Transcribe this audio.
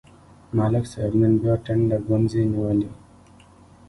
ملک صاحب نن بیا ټنډه ګونځې نیولې.